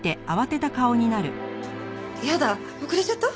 やだ遅れちゃった？